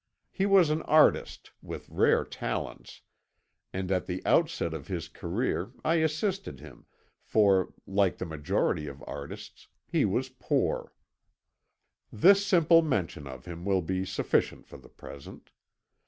He was an artist, with rare talents, and at the outset of his career I assisted him, for, like the majority of artists, he was poor. This simple mention of him will be sufficient for the present.